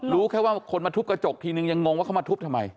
รู้แค่ว่าคนมาทุบกระจกทีนึงยังงงว่าเขามาทุบทำไม